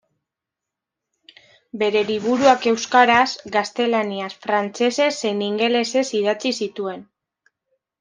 Bere liburuak euskaraz, gaztelaniaz, frantsesez zein ingelesez idatzi zituen.